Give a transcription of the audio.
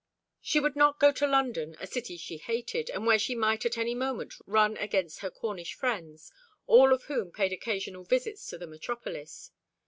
She would not go to London, a city she hated, and where she might at any moment run against her Cornish friends, all of whom paid occasional visits to the metropolis.